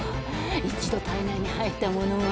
一度体内に入ったものは。